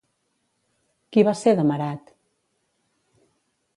Qui va ser Demarat?